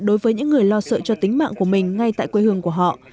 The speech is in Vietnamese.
đối với những người lo sợ cho tính mạng của mình ngay tại quê hương của họ